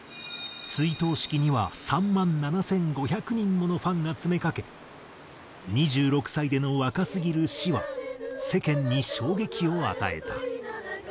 追悼式には３万７５００人ものファンが詰めかけ２６歳での若すぎる死は世間に衝撃を与えた。